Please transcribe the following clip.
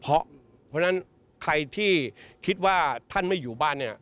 เพราะฉะนั้นใครที่คิดว่าท่านไม่อยู่บ้านเนี่ย